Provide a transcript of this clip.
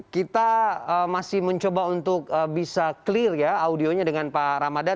kita masih mencoba untuk bisa clear ya audionya dengan pak ramadhan